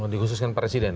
dikhususkan presiden ya